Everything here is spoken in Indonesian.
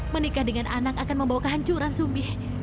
menikah dengan anak akan membawa kehancuran sumbi